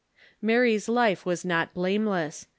Marj'^'s life was not blameless.